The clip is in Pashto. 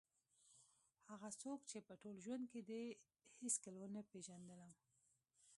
هغه څوک چې په ټول ژوند کې دې هېڅکله ونه پېژندلم.